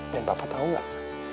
dan papa tahu gak